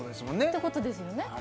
ってことですよね？